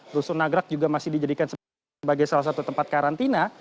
rusunagrak juga masih dijadikan sebagai salah satu tempat karantina